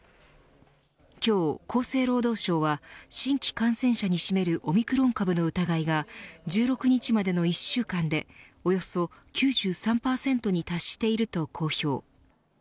今日、厚生労働省は新規感染者に占めるオミクロン株の疑いが１６日までの１週間でおよそ９３％に達していると公表。